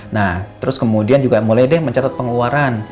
nah terus kemudian juga mulai deh mencatat pengeluaran